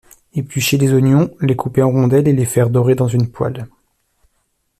Éplucher les oignons, les couper en rondelles et les faire dorer dans une poêle.